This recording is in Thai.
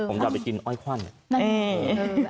เดี๋ยวผมจะไปกินอ้อยข้าวหนึ่ง